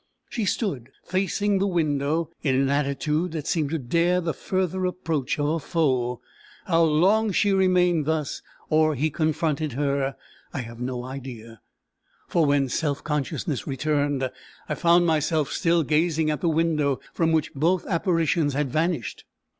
She stood facing the window, in an attitude that seemed to dare the further approach of a foe. How long she remained thus, or he confronted her, I have no idea; for when self consciousness returned, I found myself still gazing at the window from which both apparitions had vanished.